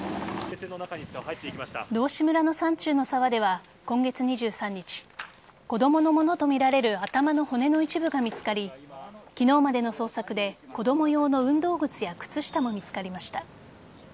道志村の山中の沢では今月２３日子供のものとみられる頭の骨の一部が見つかり昨日までの捜索で子供用の運動靴や靴下も見つかりました。